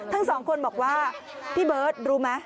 ทั้งสองคนบอกว่าพี่เบิร์ตรู้ไหม